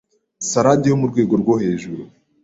salade yo mu rwego rwo hejuru.